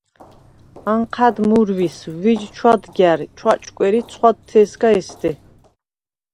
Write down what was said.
ანჴა̈დ მურვის, ვიჯ ჩვადგა̈რ, ჩვაჭკვერ ი ცხვადთე̄სგ’ე̄სდე.